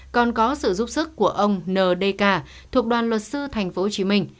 còn có sự giúp sức của ông n d k thuộc đoàn luật sư tp hcm